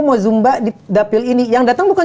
mau zumba di dapil ini yang datang bukan